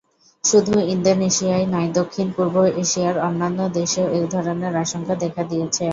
শুধু ইন্দোনেশিয়াই নয়, দক্ষিণ-পূর্ব এশিয়ার অন্যান্য দেশেও একধরনের আশঙ্কা দেখা দিয়েছে।